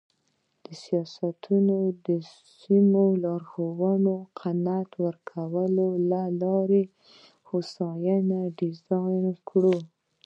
سیاستوالو ته د سمو لارښوونو قناعت ورکولو له لارې هوساینه ډیزاین کړو.